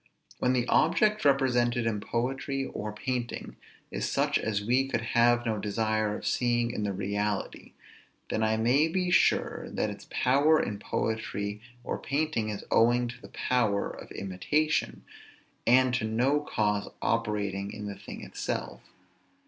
When the object represented in poetry or painting is such as we could have no desire of seeing in the reality, then I may be sure that its power in poetry or painting is owing to the power of imitation, and to no cause operating in the thing itself.